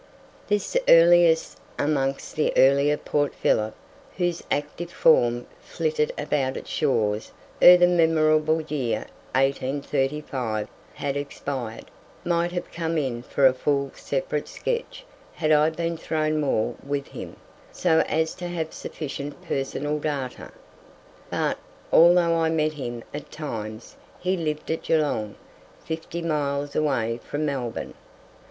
This earliest amongst the early of Port Phillip, whose active form flitted about its shores ere the memorable year 1835 had expired, might have come in for a full separate sketch had I been thrown more with him, so as to have sufficient personal data. But, although I met him at times, he lived at Geelong, fifty miles away from Melbourne.